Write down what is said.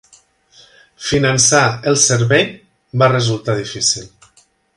Finançar el servei va resultar difícil.